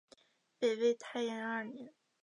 北魏太延二年。